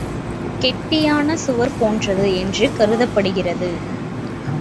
கெட்டியான சுவர் போன்றது என்று கருதப்படுவது.